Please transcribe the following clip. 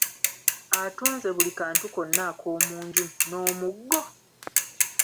Atunze buli kantu konna ak’omunju n’omuggo?